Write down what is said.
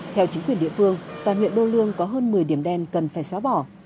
theo chính quyền địa phương toàn huyện đô lương có hơn một mươi điểm đen cần phải xóa bỏ